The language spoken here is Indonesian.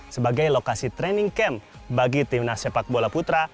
sebagai lokasi training camp bagi timnas sepak bola putra